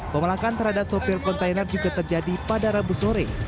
pemelakan terhadap sopir kontainer juga terjadi pada rabu sore